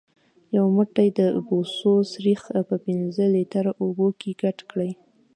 یو موټی د بوسو سريښ په پنځه لیتره اوبو کې ګډ کړئ.